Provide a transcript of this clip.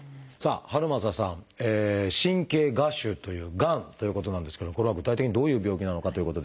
遥政さん神経芽腫というがんということなんですけどこれは具体的にどういう病気なのかということですが。